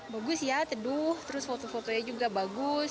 bagus ya teduh terus foto fotonya juga bagus